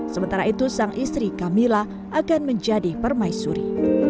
sementara itu sang istri camilla akan menjadi permaisuri